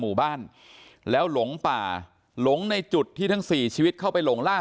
หมู่บ้านแล้วหลงป่าหลงในจุดที่ทั้งสี่ชีวิตเข้าไปหลงล่า